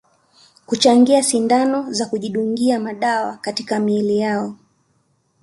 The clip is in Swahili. Kuchangia sindano za kujidungia madawa katika miili yao